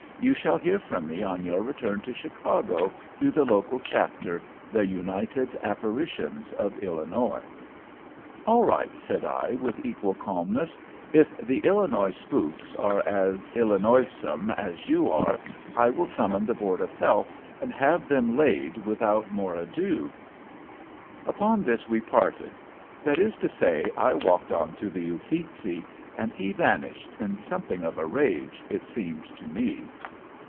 You shall hear from me on your return to Chicago through the local chapter, the United Apparitions of Illinois." "All right," said I, with equal calmness. "If the Illinois spooks are as Illinoisome as you are, I will summon the board of health and have them laid without more ado." [Illustration: "HE VANISHED IN SOMETHING OF A RAGE"] Upon this we parted. That is to say, I walked on to the Uffizi, and he vanished, in something of a rage, it seemed to me.